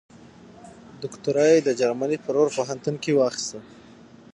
دوکتورا یې د جرمني په رور پوهنتون کې واخیسته.